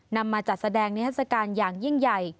นำมาจัดแสดงนิทัศกาลอย่างยิ่งใหญ่